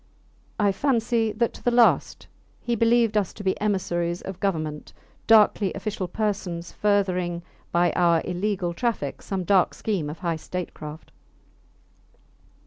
I fancy that to the last he believed us to be emissaries of Government, darkly official persons furthering by our illegal traffic some dark scheme of high statecraft.